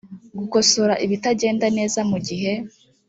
gukosora ibitagenda neza mu gihe